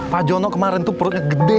pak jono kemarin itu perutnya gede